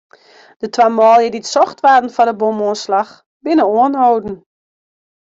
De twa manlju dy't socht waarden foar de bomoanslach, binne oanholden.